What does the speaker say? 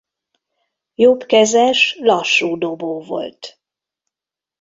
Jobbkezes lassú dobó volt.